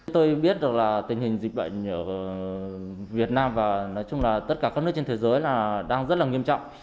tôi biết được là tình hình dịch bệnh ở việt nam và tất cả các nước trên thế giới đang rất nghiêm trọng